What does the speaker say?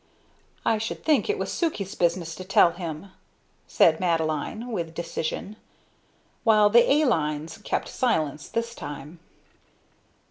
"I should think it was Sukey's business to tell him," said Madeline with decision; while the "a lines" kept silence this time.